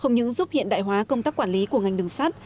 không những giúp hiện đại hóa công tác quản lý của ngành đường sắt